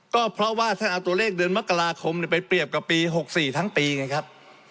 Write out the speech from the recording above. ก็เพราะว่าท่านเอาตัวเลขเดือนมกราคมไปเปรียบกับปี๖๔ทั้งปีไงครับ